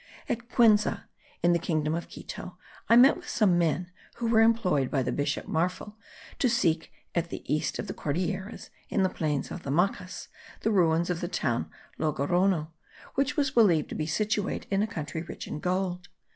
At Cuenza, in the kingdom of Quito, I met with some men, who were employed by the bishop Marfil to seek at the east of the Cordilleras, in the plains of Macas, the ruins of the town of Logrono, which was believed to be situate in a country rich in gold.